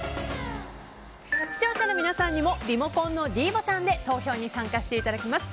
視聴者の皆さんにもリモコンのｄボタンで投票に参加していただきます。